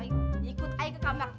ikut i ke kamar